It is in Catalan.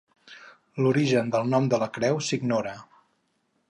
L'origen del nom de la creu s'ignora.